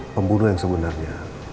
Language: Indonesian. pembunuh yang sebenarnya